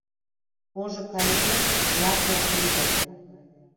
Ожо кайыде, лаке ок лий да